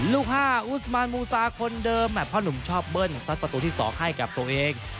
ลูก๕อุสมานมูซาคนเดิมพ่อหนุ่มชอบเบิ้ลซัดประตูที่๒ให้กับตัวเอง